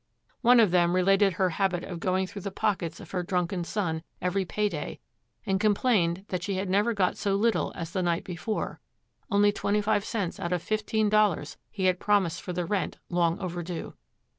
One of them related her habit of going through the pockets of her drunken son every pay day, and complained that she had never got so little as the night before, only twenty five cents out of fifteen dollars he had promised for the rent long overdue.